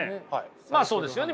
まあそうですよね